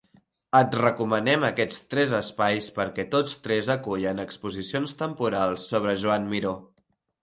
Et recomanem aquests tres espais perquè tots tres acullen exposicions temporals sobre Joan Miró.